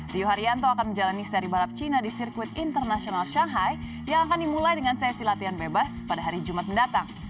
rio haryanto akan menjalani seri balap cina di sirkuit internasional shanghai yang akan dimulai dengan sesi latihan bebas pada hari jumat mendatang